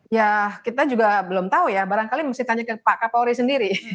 ya kita juga belum tahu ya barangkali mesti tanya ke pak kapolri sendiri